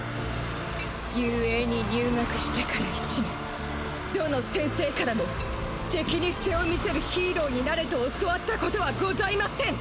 雄英に入学してから１年どの先生からも敵に背を見せるヒーローになれと教わったことはございません。